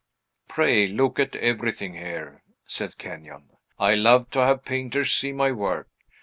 "Pray look at everything here," said Kenyon. "I love to have painters see my work.